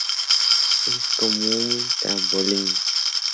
Es como un trampolín".